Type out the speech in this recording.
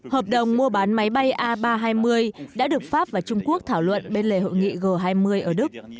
hợp đồng mua bán máy bay a ba trăm hai mươi đã được pháp và trung quốc thảo luận bên lề hội nghị g hai mươi ở đức